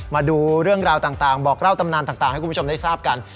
มาดูเรื่องราวต่างบอกเล่าตำนานต่างให้คุณผู้ชมได้ทราบกัน